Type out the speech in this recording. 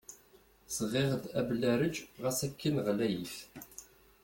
Sɣiɣ-d abellarej ɣas akken ɣlayit.